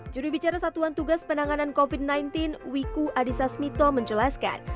juri bicara satuan tugas penanganan covid sembilan belas wiku adhisa smito menjelaskan